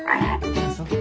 あっそう。